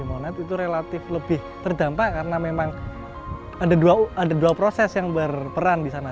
oh ada pengepulnya memang